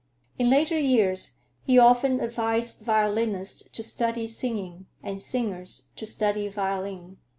In later years he often advised violinists to study singing, and singers to study violin.